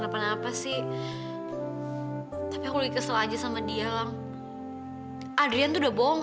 bapak udah bilang